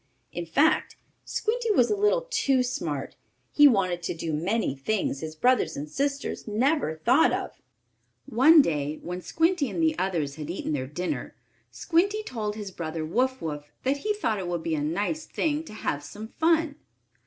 In fact Squinty was a little too smart. He wanted to do many things his brothers and sisters never thought of. One day when Squinty and the others had eaten their dinner, Squinty told his brother Wuff Wuff that he thought it would be a nice thing to have some fun.